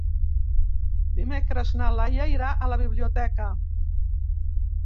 Dimecres na Laia irà a la biblioteca.